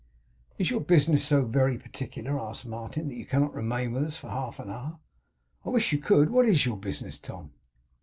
'Is your business so very particular,' asked Martin, 'that you cannot remain with us for half an hour? I wish you could. What IS your business, Tom?